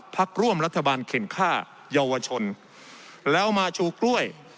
พักร่วมรัฐบาลเข็นค่าเยาวชนแล้วมาชูกล้วย